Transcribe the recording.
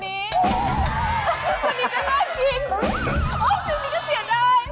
สิ่งนี้ก็ดี